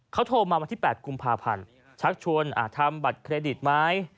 เขาโทรมาวันที่๘กุมภาพันธ์ชักชวนทำบัตรเครดิตไหม